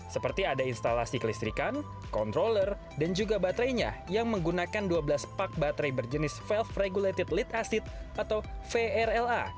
seperti ada instalasi kelistrikan controller dan juga baterainya yang menggunakan dua belas pak baterai berjenis velve regulated lead acid atau vrla